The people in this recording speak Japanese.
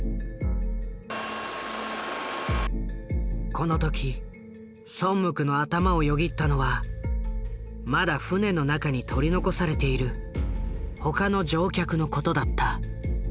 この時ソンムクの頭をよぎったのはまだ船の中に取り残されている他の乗客のことだった。